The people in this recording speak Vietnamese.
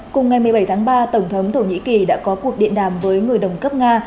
cùng ngày một mươi bảy tháng ba tổng thống thổ nhĩ kỳ đã có cuộc điện đàm với người đồng cấp nga